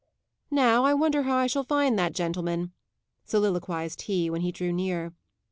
"Now, I wonder how I shall find that gentleman?" soliloquized he, when he drew near.